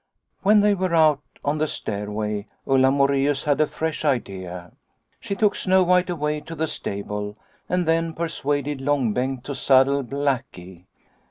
" When they were out on the stairway Ulla Moreus had a fresh idea. She took Snow White away to the stable and then persuaded Long Bengt to saddle Blackie.